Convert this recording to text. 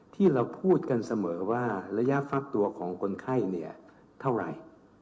ที่เราพูดกันเสมอว่าระยะฟักตัวของคนไข้เนี่ยเท่าไหร่